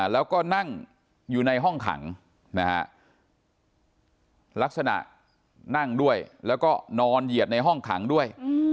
แล้วก็นั่งอยู่ในห้องขังนะฮะลักษณะนั่งด้วยแล้วก็นอนเหยียดในห้องขังด้วย